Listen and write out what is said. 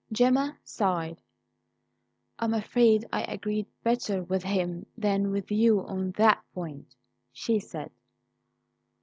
Gemma sighed. "I am afraid I agreed better with him than with you on that point," she said.